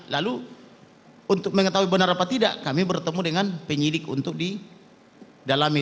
lalu untuk mengetahui benar apa tidak kami bertemu dengan penyidik untuk didalami